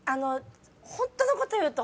ホントのこと言うと。